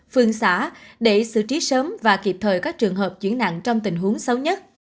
phương xã để xử trí sớm và kịp thời các trường hợp chuyển nặng trong tình huống xấu nhất